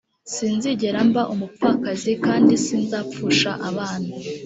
sinzigera mba umupfakazi kandi sinzapfusha abana